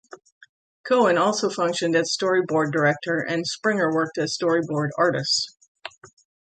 Cohen also functioned as storyboard director, and Springer worked as storyboard artist.